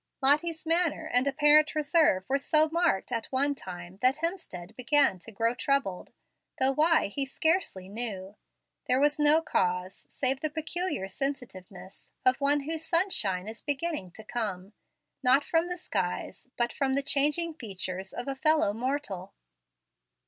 Lottie's manner and apparent reserve were so marked at one time that Hemstead began to grow troubled, though why he scarcely knew. There was no cause, save the peculiar sensitiveness of one whose sunshine is beginning to come, not from the skies, but from the changing features of a fellow mortal.